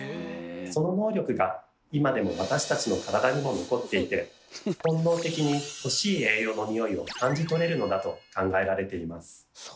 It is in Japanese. その能力が今でも私たちの体にも残っていて本能的に欲しい栄養の匂いを感じとれるのだと考えられています。